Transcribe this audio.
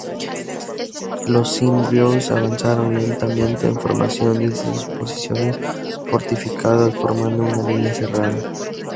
Los cimbrios avanzaron lentamente en formación desde sus posiciones fortificadas, formando una línea cerrada.